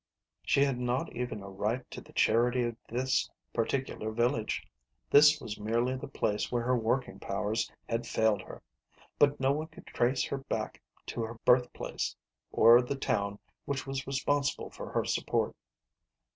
She had not even a right to the charity of this particular village : this was merely the place where her working powers had failed her ; but no one could trace SISTER LIDDY, 93 her back to her birthplace, or the town which was respon sible for her support.